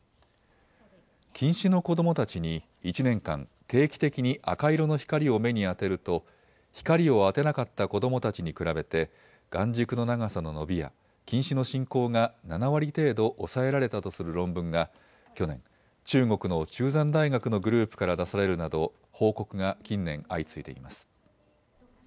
近視の子どもたちに１年間定期的に赤色の光を目に当てると光を当てなかった子どもたちに比べて眼軸の長さの伸びや近視の進行が７割程度抑えられたとする論文が去年、中国の中山大学のグループから出されるなど報告が近年、相次いでいます。